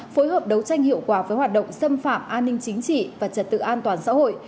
phối hợp đấu tranh hiệu quả với hoạt động xâm phạm an ninh chính trị và trật tự an toàn xã hội